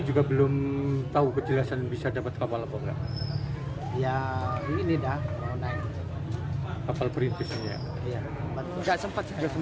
juga belum tahu kejelasan bisa dapat kapal apa enggak ya ini dah mau naik kapal perintis enggak sempat